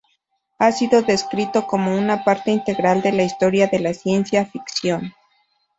Ha sido descrito como "una parte integral de la historia de la ciencia ficción".